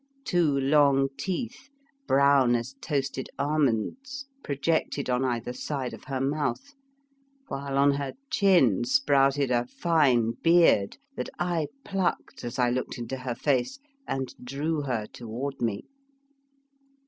Two long teeth, brown as toasted almonds, projected on either side of her mouth, while on her chin sprouted a fine beard that I plucked as I looked into her face and drew her toward me.